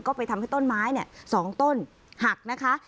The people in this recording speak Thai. ก็ไปทำให้ต้นไม้๒ต้นหักนะคะ